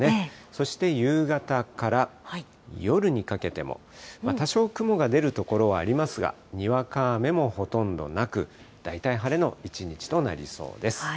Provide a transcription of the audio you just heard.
そして夕方から夜にかけても、多少雲が出る所はありますが、にわか雨もほとんどなく、大体晴れの一日となりそうです。